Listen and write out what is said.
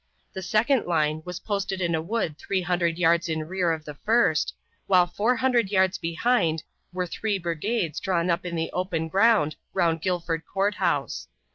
The second line was posted in a wood three hundred yards in rear of the first, while four hundred yards behind were three brigades drawn up in the open ground round Guilford Court House.